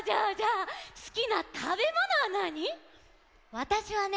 わたしはね